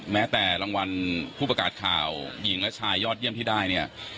แม้แต่รางวัลผู้ประกาศข่าวหญิงและชายยอดเยี่ยมที่ได้เนี่ย